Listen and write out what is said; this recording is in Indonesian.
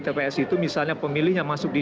tps itu misalnya pemilih yang masuk di